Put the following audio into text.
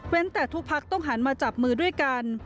แต่ทุกพักต้องหันมาจับมือด้วยกัน